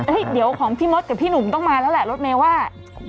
เดี๋ยวของพี่มดกับพี่หนุ่มต้องมาแล้วแหละรถเมย์ว่า